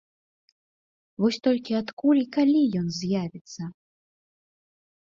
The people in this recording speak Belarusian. Вось толькі адкуль і калі ён з'явіцца?